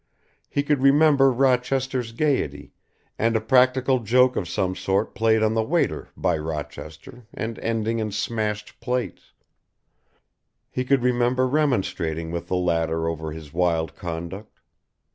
He could remember Rochester's gaiety, and a practical joke of some sort played on the waiter by Rochester and ending in smashed plates he could remember remonstrating with the latter over his wild conduct.